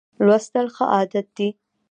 لوستل ښه عادت دی.